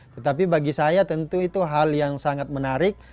tetapi bagi saya tentu itu hal yang sangat menarik